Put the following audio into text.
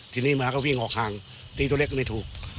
ทีนี้หมาก็วิ่งออกห่างตีตัวเล็กก็ไม่ถูก